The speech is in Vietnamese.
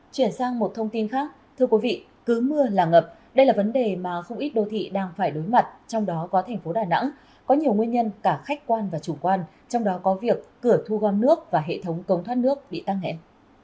chuyển sang một thông tin khác thưa quý vị cứ mưa là ngập đây là vấn đề mà không ít đô thị đang phải đối mặt trong đó có thành phố đà nẵng có nhiều nguyên nhân cả khách quan và chủ quan trong đó có việc cửa thu gom nước và hệ thống cống thoát nước bị tăng hẹn